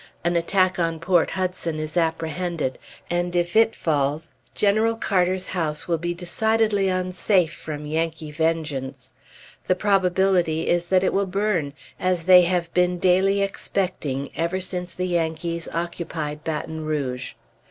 An attack on Port Hudson is apprehended, and if it falls, General Carter's house will be decidedly unsafe from Yankee vengeance. The probability is that it will burn, as they have been daily expecting ever since the Yankees occupied Baton Rouge.